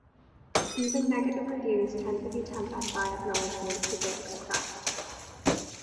Even negative reviews tend to be tempered by acknowledgement for Burke's craft.